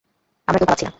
আমরা কেউি পালাচ্ছি না!